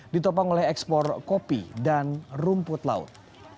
ditopang oleh ekspor kopi dan rumput laut